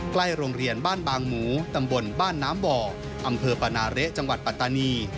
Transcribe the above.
ใกล้โรงเรียนบ้านบางหมูตำบลบ้านน้ำบ่ออำเภอปานาเละจังหวัดปัตตานี